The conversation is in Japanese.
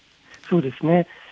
そうですね。